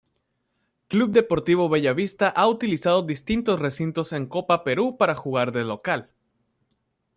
Club Deportivo Bellavista ha utilizado distintos recintos en Copa Perú para jugar de local.